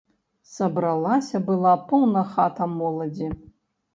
Сабралася была поўна хата моладзі.